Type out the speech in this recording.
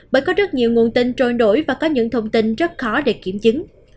bởi có rất nhiều nguồn tin trôi nổi và có những thông tin rất khó để kiểm chứng